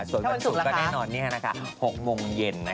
ส่วนวันศุกร์ก็แน่นอน๖โมงเย็น